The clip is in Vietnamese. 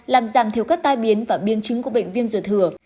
làm giảm thiếu các tai biến và biên chứng của bệnh viêm ruột thừa